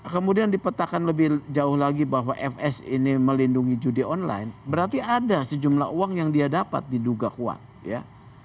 kemudian dipetakan lebih jauh lagi bahwa fs ini melindungi judi online berarti ada sejumlah uang yang dia dapat diduga kuat ya